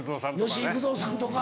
吉幾三さんとか。